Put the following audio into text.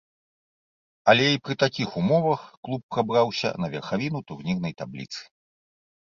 Але і пры такіх умовах клуб прабраўся на верхавіну турнірнай табліцы.